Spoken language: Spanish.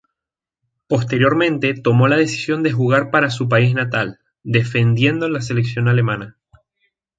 Posteriormente tomó la decisión de jugar para su país natal, defendiendo la selección alemana.